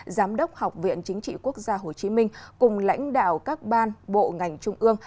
giám đốc học viện chính trị quốc gia hồ chí minh cùng lãnh đạo các ban bộ ngành trung ương